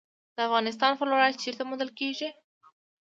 د افغانستان فلورایټ چیرته موندل کیږي؟